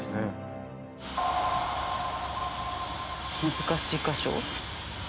難しい箇所？